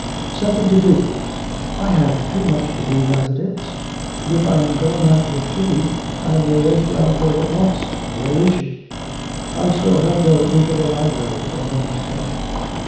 'Something to do! I have too much to do as it is.... But if I am going out with Kitty I may as well go at once. Where is she?' 'I saw her go into the library a moment ago.'